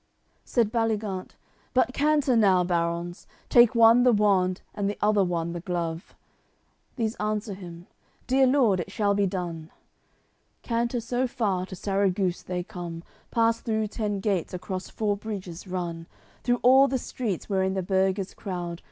CXCIV Said Baligant: "But canter now, barons, Take one the wand, and the other one the glove!" These answer him: "Dear lord, it shall be done." Canter so far, to Sarraguce they come, Pass through ten gates, across four bridges run, Through all the streets, wherein the burghers crowd.